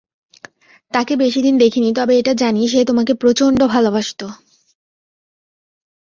তাকে বেশিদিন দেখিনি, তবে এটা জানি সে তোমাকে প্রচন্ড ভালোবাসতো।